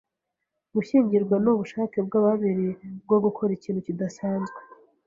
Gushyingirwa nubushake bwa babiri bwo gukora ikintu kidasanzwe.